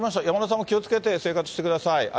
山田さんも気をつけて生活してください。